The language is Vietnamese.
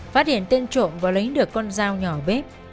phát hiện tên trộm và lấy được con dao nhỏ bếp